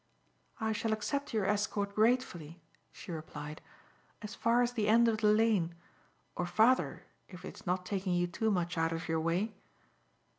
"I shall accept your escort gratefully," she replied, "as far as the end of the lane, or farther if it is not taking you too much out of your way."